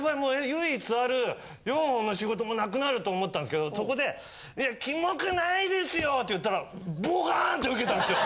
唯一ある４本の仕事もなくなると思ったんですけどそこで。って言ったらボカーンってウケたんですよ。